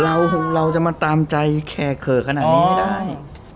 เราหรือเราจะมาตามใจแข่เค้าขนาดนี้ไม่ได้